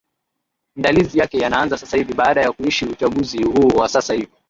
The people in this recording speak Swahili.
ndalizi yake yanaanza sasa hivi baada ya kuisha uchanguzi huu wa sasa hivi